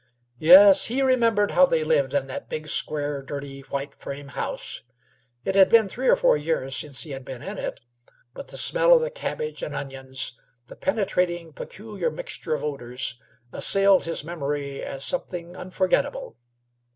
Yes, he remembered how they lived in that big, square, dirty, white frame house. It had been three or four years since he had been in it, but the smell of the cabbage and onions, the penetrating, peculiar mixture of odors, assailed his memory as something unforgettable.